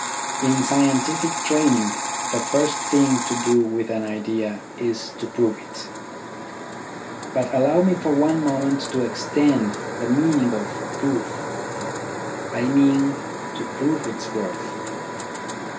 In scientific training, the first thing to do with an idea is to prove it. But allow me for one moment to extend the meaning of " prove "; I mean — to prove its worth.